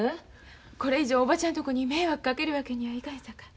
これ以上おばちゃんとこに迷惑かけるわけにはいかへんさかい。